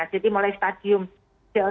jadi mulai stadium gel